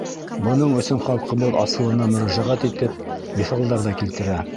Бының өсөн халҡыбыҙ асылына мөрәжәғәт итеп, миҫалдар ҙа килтерә.